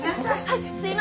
はい！